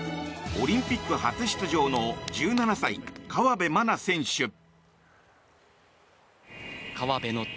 オリンピック初出場の１７歳、河辺愛菜選手。